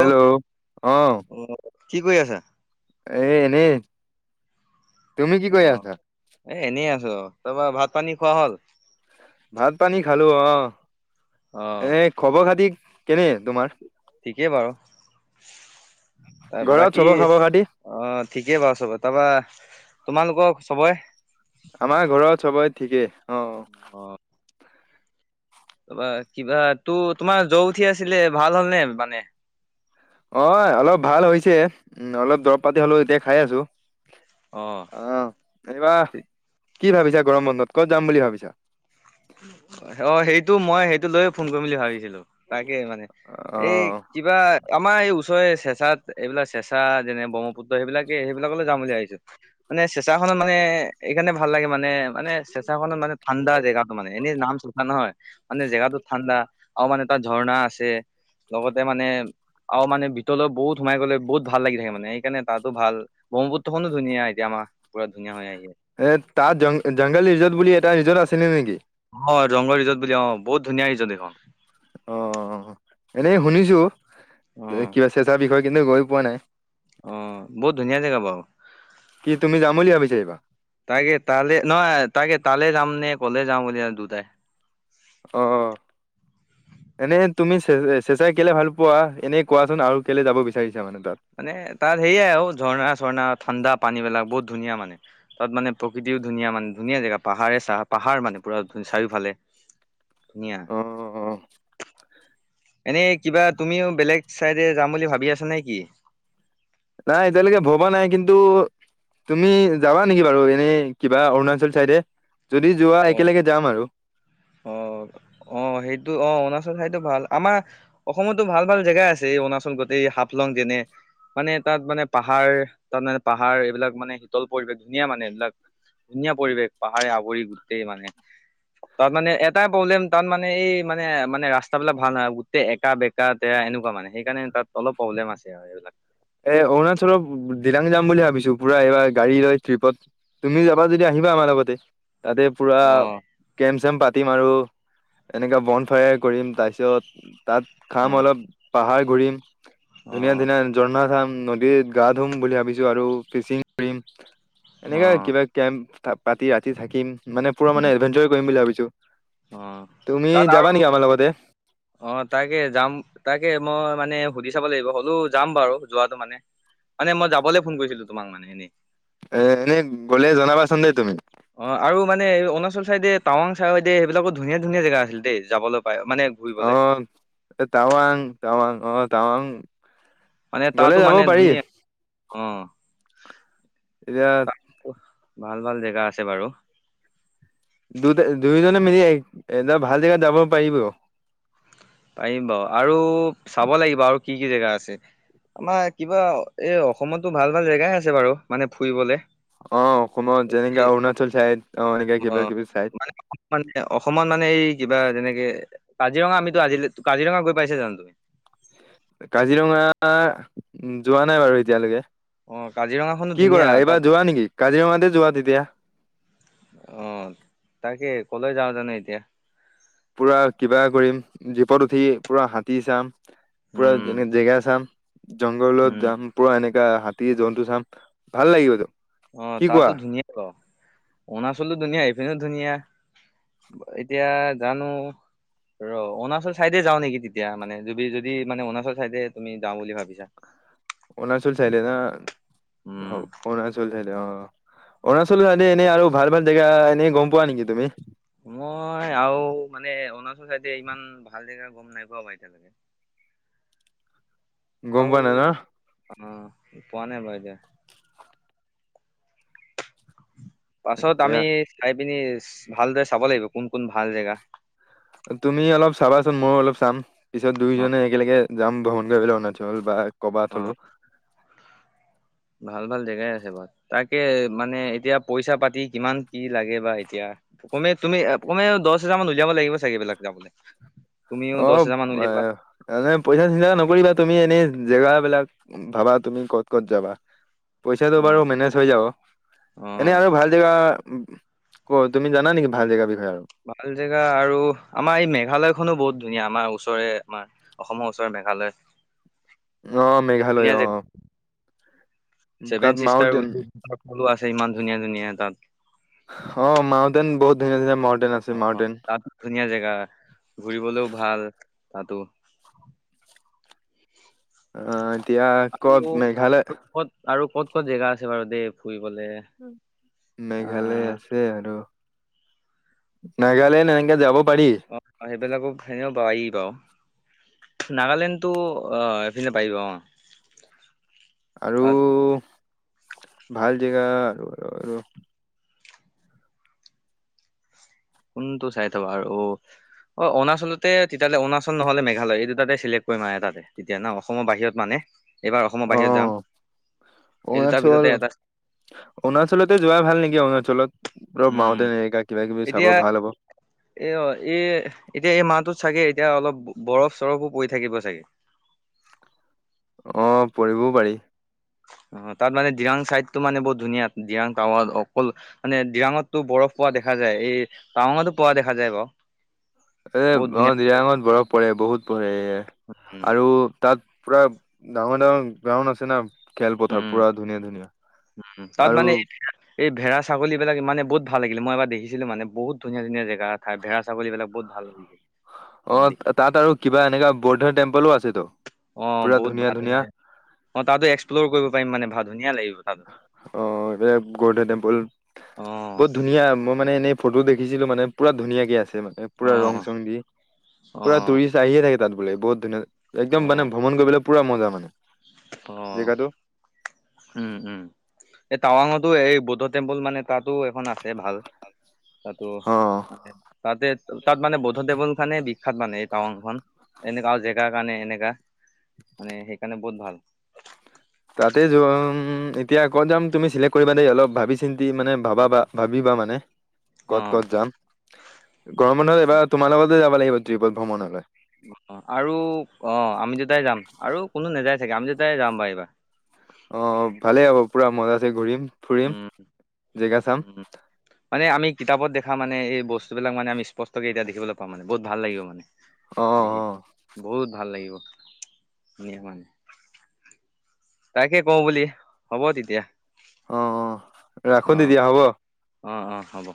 Hello অ hello উম কি কৰি আছা। এ এনে অ এ এনেই আছোঁ তাৰপৰা ভাত -পানী খোৱা হ'ল। ভাত-পানী খালোঁ আহ অ', এনে খবৰ খাতি কেনে তোমাৰ? ঠিকেই বাৰু। ঘৰত বাকী চবৰ খবৰ খাতি অ ঠিকেই বাৰু চব তাৰপা তোমালোকৰ। সবয় আমাৰ ঘৰত চবৰে ঠিকেই। অ অ ত কিবা ত তোমাৰ জ্বৰ উঠি আছিলে ভাল হলনে মানে। অ অলপ ভাল হৈছে উ অলপ দৰৱ পাতি হলেও এতিয়া খাই আছোঁ। অঁ। কি ভাবিছা গৰম বন্ধত কত যাম বুলি ভাবিছা? অ সেইটো মই সেইটো লৈয়ে ফোন কৰিম বুলি ভাবিছিলো তাক। কি হল মানে অ এই কিবা আমাৰ এই ও চেচাত এইবিলাক চেচা যেনে ব্ৰহ্মপুত্ৰ সেইবিলাকে সেইবিলাকলৈ যাম বুলি ভাবিছোঁ। মানে চেঁচাখনত মানে এইকাৰণে ভাল লাগে মানে মানে চেঁচাখনত মানে ঠাণ্ডা জেগা। মানে এনেই নাম চেঁচা নহয় মানে জেগাটো ঠাণ্ডা আৰু মানে তাত ঝৰ্ণা আছে। লগতে মানে আও মানে ভিতৰলৈ বহুত সোমাই গলে বহুত ভাল লাগি থাকে মানে সেইকাৰনে তাতো ভাল ব্ৰহ্মপু্ত্ৰখনো ধুনীয়া এতিয়া মানে পুৰা ধুনীয়া হয় আহি আছে এ তাত জং জংঘল ৰিজৰ্ট বুলি এটা ৰিজৰ্ট আছিলে নেকি? অ জংঘল ৰিজৰ্ট বুলি অ বহুত ধুনীয়া ৰিজৰ্ট এইখন অ এনেই শুনিছো কিবা চেচাৰ বিষয়ে কিন্তু গৈ পোৱা নাই। অহ বহুত ধুনীয়া জেগা বাৰু। কি তুমি যাম বুলি ভাবিছা এইবাৰ তাকে তালে নহয় তাকে তালৈ যাম নে কলে যাম বুলি আছ। দু দাই। আহ এনে তুমি চ চেচাই কেলে ভাল পোৱা এনেই কোৱাচোন আৰু কেলে যাব বিচাৰিছ মানে তাত সেয়াই আৰু ঝৰ্ণা, ঝৰ্ণা। ঠাণ্ডা পানী বিলাক বহুত ধুনীয়া মানে, তাত মানে প্ৰকৃতিও ধুনীয়া মানে ধুনীয়া জেগা পাহাৰে চাহ পাহাৰ মানে পুৰা ধ চাৰিওফালে। ধুনীয়া উম উ। এনেই কিবা তুমিও বেলেগ চাইডে যাম বুলি ভাবি আছা নে কি? নাই এতিয়ালৈকে ভবা নাই কিন্তু। তুমি যাবা নেকি বাৰু এনেই কিবা অৰুণাচল চাইডে যদি যোৱা অ একেলগে যাম আৰু। অ অ সেইটো অ অৰুণাচল ঠাইতো ভাল আমাৰ অসমতো ভাল ভাল জেগা আছে এই অৰুণাচল গ তাতে সাফ লং যেনে। মানে তাত মানে পাহাৰ তাত মানে পাহাৰ এইবিলাক মানে শীতল পৰিৱেশ ধুনীয়া মানে এইবিলাক। ধুনীয়া পৰিৱেশ পাহাৰে আৱৰি গোটেই মানে তাত মানে এ এটা প্ৰব্লেম তাত মানে এই মানে মানে ৰাস্তাবিলাক ভাল নহয় গোটেই একা- বেকা তেয়া এনেকুৱা মানে সেইকাৰণে তাত। অলপ প্ৰব্লেম আছে আৰু এইবিলাক। এ অৰুণাচলৰ দিলাং যাম বুলি ভাবিছোঁ পুৰা এইবাৰ গাড়ী লৈ ট্ৰিপত। তুমি যাবা যদি আহিবা আমাৰ লগতে তাতে পুৰা অ', কেম্প পাতিম আৰু এনেকা বন ফ্ৰাই কৰিম তাৰপিছত তাত খাম অ', অলপ। পাহাৰ ঘূৰিম ধুনীয়া, অ', ধুনীয়া ঝৰ্ণা নদীত গা ধুম বুলি ভাবিছো আৰু ফিচিং কৰিম। এনেকা অ', কিবা কেম্প পাতি ৰাতি থাকিম মানে পুৰা মানে উম, এডভেঞ্চাৰ কৰিম বুলি ভাবিছো। অ তুমি তাত যাবা আৰু নেকি আমাৰ লগতে অ তাকে যাম তাকে মই মানে সুধি চাব লাগিব হ'লেও যাম বাৰু যোৱাটো মানে মানে মই যাবলৈ ফোন কৰিছিলো তোমাক মানে এনে এ এনেই গ'লে জনাবাচোন দেই তুমি। অ আৰু মানে অৰুণাচল চাইদে টাৱাং চাইদে সেইবিলাকো ধুনীয়া ধুনীয়া জেগা আছিল দেই যাবলৈ। পাই মানে অ ঘূৰিবলে তাৱাং, তাৱাং, অ তাৱাং। মানে তাতো মানে ধুনীয়া অ এতিয়া ভাল ভাল জেগা আছে বাৰু। দুটা দুয়োজনে মিলি এ ভাল জেগাত যাব পাৰিবি কহ। পাৰিম বাৰু আৰু চাব লাগিব আৰু কি কি জেগা আছে। আমাৰ কিবা এ অসমতো ভাল ভাল জেগাই আছে বাৰু মানে ফুৰিবলে অ অসমত যেনেকে এই অৰুণাচল চাইদ। অ এনেকে অ কিবা কিবি চাইদ মানে অসম মানে অসমত মানে এই কিবা যেনেকে কাজিৰঙা আমিতো আজিলৈ কাজিৰঙা গৈ পাইছে জানো। কাজিৰঙা যোৱা নাই বাৰু এতিয়ালৈকে। অ কাজিৰঙাখনো কি ধুনীয়া কৰা তাত এইবাৰ যোৱা নেকি কাজিৰঙাতে যোৱা তেতিয়া। অ তাকে কলৈ যাওঁ জানো এতিয়া? পুৰা কিবা কৰিম জীপত উঠি পুৰা হাতী চাম। পুৰা উম যেনে জেগা চাম, জংঘলত উম যাম পুৰা এনেকে। হাতী জন্তু চাম ভাল লাগিব। অ তাতো ধুনীয়া বাৰু অৰুণাচলো ধুনীয়া এপিনেও ধুনীয়া। এতিয়া জানো ৰ অৰুণাচল চাইডে যাওঁ নেকি তেতিয়া মানে যদি মানে অৰুণাচল চাইডে তুমি যাওঁ বুলি ভাবিছা। অৰুণাচল চাইদে উম যাওঁ অৰুণাচল চাই। অ অৰুণাচল চাইডে এনেই আৰু ভাল ভাল জেগা এনেই গম পোৱা নেকি তুমি। মই আৰু মানে অৰুণাচল চাইদে ইমান ভাল জেগা গম নাই পোৱা বা এতিয়ালৈকে। গম আৰু পোৱা নাই নহ। অ পোৱা নাই বা এতিয়া- পাছত আমি এতিয়া চাই পিনি ভালদৰে চাব লাগিব কোন কোন ভাল জেগা। তুমি অলপ চাবাচোন ময়ো অলপ চাম পিছত অ' দুয়োজনে একেলগে। যাম ভ্ৰমণ কৰিবলৈ অৰুণাচল হল বা কবাত অ' হ'লো। ভাল ভাল জেগাই আছে বাৰ তাকে মানে এতিয়া পইচা পাতি কিমান কি লাগে বা এতিয়া। কমে তুমি কমে দহ হেজাৰ মান লৈ যাব লাগিব চাগে এইবিলাক যাবলৈ- তুমিও অ দহ হাজাৰ মান এ উলিয়াবা। এনে পইচা চিন্তা নকৰিবা তুমি এনে জেগাবিলাক ভাবা তুমি ক'ত ক'ত যাবা? পইচাটো বাৰু অ' মেনেজ হৈ যাব এনে অ' আৰু ভাল জেগা ক তুমি জানা নেকি ভাল জেগা বি ভাল জেগা আৰু আমাৰ এই মেঘালয়খনো বহুত ধুনীয়া আমাৰ ওচৰে, আমাৰ অসমৰ ওচৰে মেঘালয়। আহ মেঘালয় ধুনীয়া জেগা। আহ। ছেভেন চিষ্টাৰ বুলি ফলো আছে ইমান ধুনীয়া ধুনীয়া তাত। অ মাওদেন বহত ধুনীয়া ধুনীয়া ম। অ তাতো ধুনীয়া জেগা ঘূৰিবলৈও ভাল। তাতো। অ এতিয়া আৰু ক'ত মেঘালয়? ক'ত আৰু ক'ত ক'ত জেগা আছে বাৰু দে ফুৰিব? মেঘালয় আছে আৰু। নাগালেণ্ড এনেকে যাব পাৰি। এইবলোককো ভেনে ব আহ বাও। নাগালেণ্ডতটো আহ এইফিনে পাৰিব অ। আৰু, তাত ভাল জেগা আৰু আৰু আৰু। কোনটো চাই থবা আৰু। অ অৰুণাচলতে তেতিয়াহলে অৰুণাচল নহলে মেঘালয় এইটো তাতে চিলেক্ট কৰিম আৰু তাতে তেতিয়া না অসমৰ বাহিৰত মানে। এইবাৰ অসমৰ বাহিৰত যাম। অ' এই দুটাৰ ভিতৰতে অৰুণাচল, এটা অৰুণাচলতে যোৱা ভাল নেকি অৰুণাচলত। পুৰা উম মাউণ্টেইন এলেকা কিবা কিবি চাব এতিয়া ভাল হ'ব। এ অ এ এতিয়া এই মাহটো। চাগে এতিয়া অলপ বৰফ চৰফো পৰি থাকিব চাগে। অ পঢ়িবও পাৰি। অ তাত মানে দিৰাং চাইডতটো মানে বহুত ধুনীয়া ডিৰাং টাৱাত অকল মানে দিৰাঙতটো বৰফ পোৱা দেখা যায় এই টাৱঙতো পোৱা দেখা যায় বাৰ। এ অ নিৰাঙত বৰফ পৰে বহুত পৰে উম আৰু তাত। পুৰা ডাঙৰ ডাঙৰ গ্ৰাউড আছে না। খেলপথাৰ উম পুৰা ধুনীয়া ধুনীয়া উ তাত আৰু মানে এই ভেড়া ছাগলী। এইবিলাক মানে বহুত ভালাগিল মই এবাৰ দেখছিলো মানে বহুত ধুনিয়া ধুনিয়া জেগা জেগা চাওঁ বুলি কলে বহুত ভাল বুলি অ তাত আৰু কিবা এনেকা বৌদ্ধ টেম্পলো আছে। অ বহুত ভাল অ তাতো এক্সপ্ল'ৰ কৰিব পাৰিম মানে ভাল। ধুনীয়া লাগিব তাতো। অ এ গৰ্ডেন টেম্পুল অ বহুত ধুনীয়া মই মানে এনেই ফটো দেখিছিলো মানে পুৰা ধুনীয়াকে আছে মানে অ পুৰা ৰং চং দি অ পুৰা টুৰিষ্ট আহিয়ে থাকে। তাত বোলে বহুত ধুনীয়া অ একদম মানে ভ্ৰমণ কৰিবলৈ পুৰা মজা মানে। জেগাটো অ উম উম এই টাৱাঙতো এই বৌদ্ধ টেম্পুল মানে তাতো এখন আছে ভাল। তাতো অ তাতে তাত মানে বদ্ধ দেৱৰ বি সখ্যাত মানে এই টাউনখন এনেকা আৰু জেগাৰ কাৰণে এনেকা মানে সেইকাৰণে বহুত ভাল। তাতে যোৱা এতিয়া আকৌ যাম তুমি চিলেক্ট কৰিবা দেই অলপ ভাবি চিন্ত। মানে অ ভাবাবা ভাবিবা মানে অ ক'ত ক'ত যাম। গৰম বন্ধত এইবাৰ তোমাৰ লগতে যাব লাগিব ট্ৰিপত ভ্ৰমণলৈ। আৰু অ আমি যেতাই যাম আৰু কোনো নাযায় চাগে আমি যেতাই যাম বা এইবা। আহ ভালেই হ'ব পুৰা মজা আছে ঘূৰিম ফুৰিম উম জেগা চাম। উম মানে আমি কিতাপত দেখা মানে এই বস্তুবিলাক মানে স্পষ্টেকে এতিয়া দেখিবলৈ পাম মানে বহুতাল লাগিব মানে। অ অ দেখি বহুত ভাল লাগিব ধুন মানে। তাকে কওঁ বুলি হ'ব তেতিয়া। অ অ অ ৰাখো তেতিয়য়া হ'ব। অ অ হ'ব।